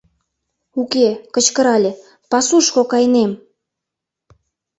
Уке, кычкырале: пасушко кайынем!